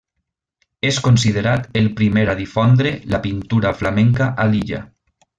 És considerat el primer a difondre la pintura flamenca a l'illa.